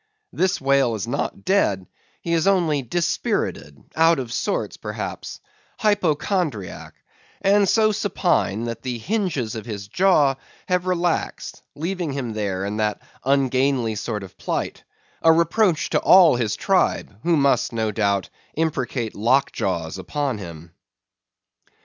This whale is not dead; he is only dispirited; out of sorts, perhaps; hypochondriac; and so supine, that the hinges of his jaw have relaxed, leaving him there in that ungainly sort of plight, a reproach to all his tribe, who must, no doubt, imprecate lock jaws upon him.